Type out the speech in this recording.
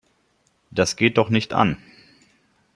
Das geht doch nicht an.